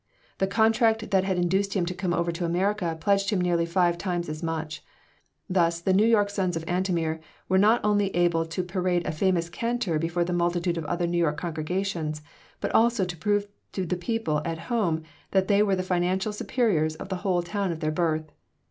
The contract that had induced him to come over to America pledged him nearly five times as much. Thus the New York Sons of Antomir were not only able to parade a famous cantor before the multitude of other New York congregations, but also to prove to the people at home that they were the financial superiors of the whole town of their birth.